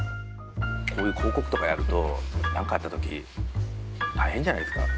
こういう広告とかやるとなんかあったとき大変じゃないですか。